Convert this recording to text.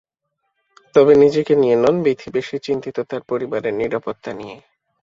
তবে নিজেকে নিয়ে নন, বীথি বেশি চিন্তিত তাঁর পরিবারের নিরাপত্তা নিয়ে।